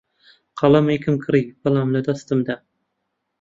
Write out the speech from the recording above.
قەڵەمێکم کڕی، بەڵام لەدەستم دا.